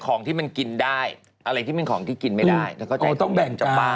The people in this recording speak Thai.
คือกินตัวที่ตายแล้ว